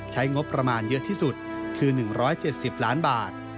ใช้งบประมาณเยอะที่สุดคือ๑๗๐ล้านบาท